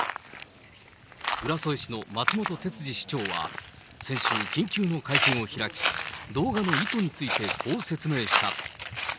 浦添市の松本哲治市長は、先週、緊急の会見を開き、動画の意図についてこう説明した。